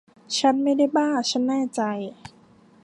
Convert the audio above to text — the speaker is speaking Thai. ฉันไม่ได้บ้า ฉันแน่ใจ